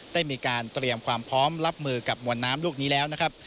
ได้มีการเตรียมความพร้อมรับมือกับมวลน้ำลูกนี้แล้วนะครับ